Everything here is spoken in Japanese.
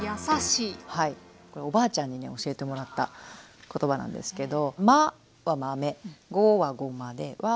おばあちゃんにね教えてもらった言葉なんですけど。